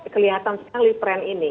kelihatan sekali tren ini